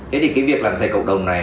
thế thì cái việc làm sạch cộng đồng này